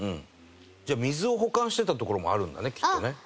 じゃあ水を保管してた所もあるんだねきっとね。